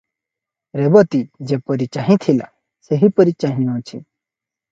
ରେବତୀ ଯେପରି ଚାହିଁଥିଲା, ସେହିପରି ଚାହିଁଅଛି ।